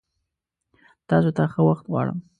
تاسو ته ښه وخت غوړم!